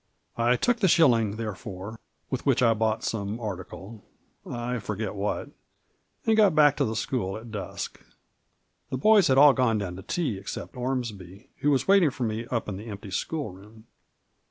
I took the shilling, therefore, with which I bought some article — I forget what — ^and got back to the school at dusk. The boys had all gone down to tea except Ormsby, who was waiting for me up in the empty school room.